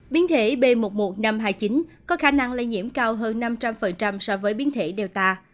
biến thể b một một năm trăm hai mươi chín có khả năng lây nhiễm cao hơn năm trăm linh so với biến thể delta